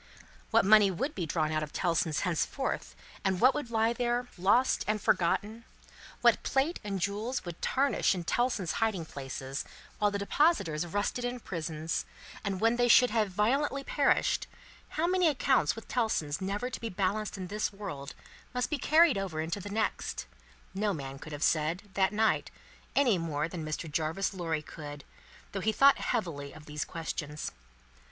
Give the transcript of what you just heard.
What money would be drawn out of Tellson's henceforth, and what would lie there, lost and forgotten; what plate and jewels would tarnish in Tellson's hiding places, while the depositors rusted in prisons, and when they should have violently perished; how many accounts with Tellson's never to be balanced in this world, must be carried over into the next; no man could have said, that night, any more than Mr. Jarvis Lorry could, though he thought heavily of these questions.